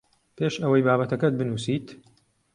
پێش ئەوەی بابەتەکەت بنووسیت